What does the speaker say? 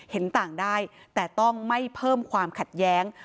เห็นต่างได้แต่ต้องไม่เพิ่มความขัดแย้ง